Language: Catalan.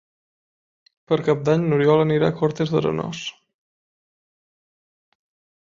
Per Cap d'Any n'Oriol anirà a Cortes d'Arenós.